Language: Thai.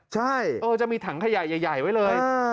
ใช่จะมีถังขยะใหญ่ไว้เลย